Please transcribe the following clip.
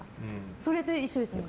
それと一緒ですね。